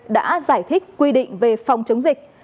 đã giải thích quy định về phòng chống dịch